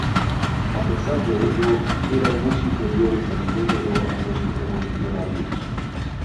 A pesar de ello eran muy superiores en número a los revolucionarios.